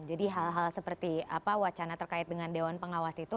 jadi hal hal seperti apa wacana terkait dengan dewan pengawas itu